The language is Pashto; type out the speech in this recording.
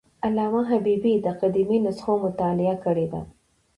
علامه حبیبي د قدیمو نسخو مطالعه کړې ده.